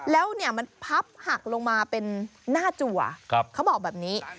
แล้วเนี่ยมันพับหักลงมาเป็นหน้าจัวเขาบอกแบบนี้